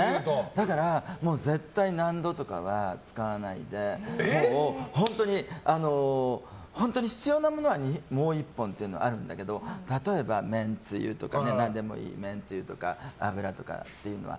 だから、絶対納戸とかは使わないで本当に必要なものはもう１本っていうのはあるけど例えば、めんつゆとか油とかっていうのは。